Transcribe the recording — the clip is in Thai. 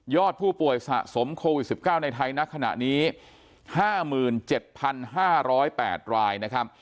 ยอดผู้ป่วยสะสมโควิด๑๙ในไทยในขณะนี้๕๗๕๐๘ราย